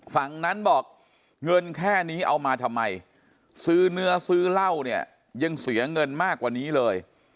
ฝั่งนั้นบอกเงินแค่นี้เอามาทำไมซื้อเนื้อซื้อเหล้าเนี่ยยังเสียเงินมากกว่านี้เลย